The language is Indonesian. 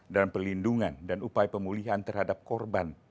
dan pelindungan dan upaya pemulihan terhadap korban